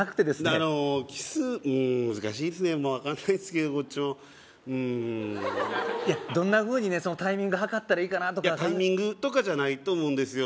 まあ分かんないですけどこっちもうんいやどんなふうにねタイミング計ったらいいかなとかタイミングとかじゃないと思うんですよ